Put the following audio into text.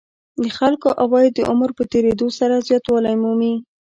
د خلکو عواید د عمر په تېرېدو سره زیاتوالی مومي